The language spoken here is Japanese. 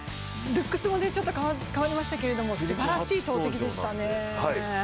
ルックスも変わりましたけどすばらしい投てきでしたね。